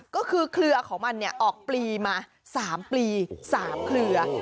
ก็คือเครือของมันออกปลีมา๓ปลี๓เครือ